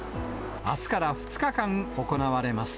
あすから２日間、行われます。